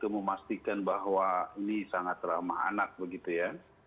memastikan bahwa ini sangat ramah anak begitu ya